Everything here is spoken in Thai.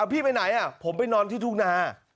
พี่ไปไหนผมไปนอนที่ทุ่งนา